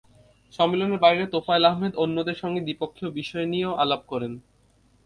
সম্মেলনের বাইরে তোফায়েল আহমেদ অন্যদের সঙ্গে দ্বিপক্ষীয় বিষয় নিয়েও আলাপ করেন।